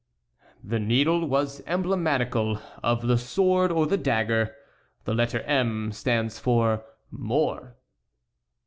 "The needle was emblematical of the sword or the dagger; the letter 'M' stands for mort."